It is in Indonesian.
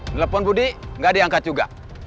nelpon budi gak diangkat juga